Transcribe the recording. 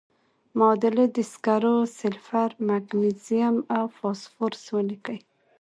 معادلې د سکرو، سلفر، مګنیزیم او فاسفورس ولیکئ.